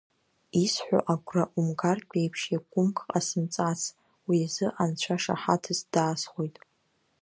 Исҳәо агәра умгартә еиԥш иакәымк ҟасымҵац, уи азы Анцәа шаҳаҭыс даасхәоит.